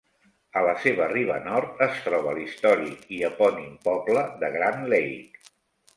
A la seva riba nord es troba l'històric i epònim poble de Grand Lake.